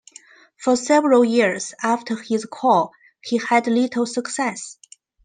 For several years after his call he had little success.